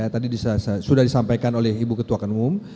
tadi sudah disampaikan oleh ibu ketua umum